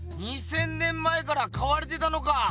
２，０００年前からかわれてたのか。